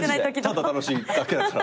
ただ楽しいだけだから。